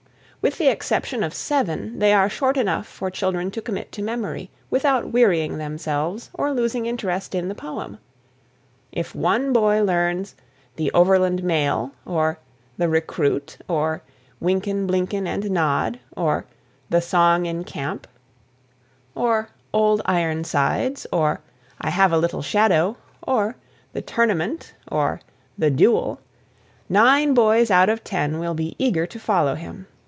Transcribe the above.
With the exception of seven, they are short enough for children to commit to memory without wearying themselves or losing interest in the poem. If one boy learns "The Overland Mail," or "The Recruit," or "Wynken, Blynken, and Nod," or "The Song in Camp," or "Old Ironsides," or "I Have a Little Shadow," or "The Tournament," or "The Duel," nine boys out of ten will be eager to follow him.